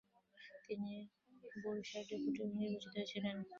তিনি বুরসার ডেপুটি নির্বাচিত হয়েছিলেন।